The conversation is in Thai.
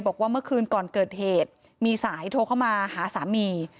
บอกว่าเมื่อคืนก่อนเกิดเหตุมีสายโทรเข้ามาหาสามี